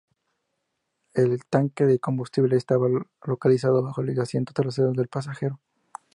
El tanque de combustible estaba localizado bajo el asiento trasero del pasajero.